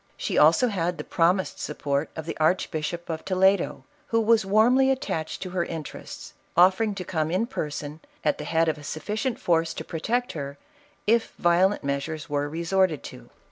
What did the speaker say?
She also had the promised support of the Archbishop of Toledo, who was warmly attached to her interests, offering to come in person, at the head of a sufficient force to protect her, if violent measures were resorted to.